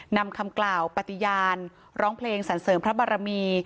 นำคำกล่าวปฏิญาณร้องเพลงสรรเสริมพระบารมี